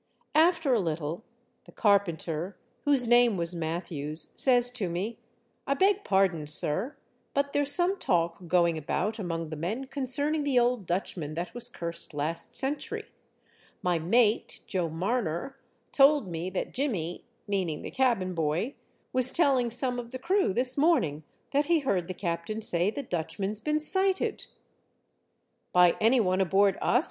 After a little, the carpenter, whose name was Matthews, says to me, " I beg pardon, sir, but there's some talk going about among the men concerning the old Dutchman that was cursed last century. My mate, Joe Marner, told me that Jimmy — meaning the cabin boy — was telling some of the crew this morning, that he heard the captain say the Dutchman's been sighted." By anyone aboard us